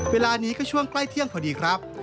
เวลานี้ก็ช่วงใกล้เที่ยงพอดีครับ